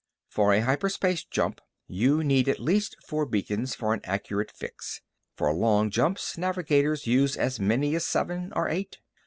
For a hyperspace jump, you need at least four beacons for an accurate fix. For long jumps, navigators use as many as seven or eight.